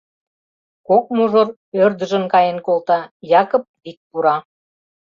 Кок мужыр ӧрдыжын каен колта, Якып вик пура.